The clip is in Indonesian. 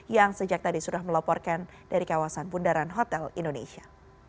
yang sejak tadi sudah melaporkan dari kawasan bundaran hotel indonesia